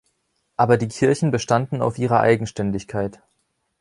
Aber die Kirchen bestanden auf ihrer Eigenständigkeit.